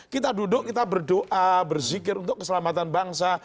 kita duduk kita berdoa berzikir untuk keselamatan bangsa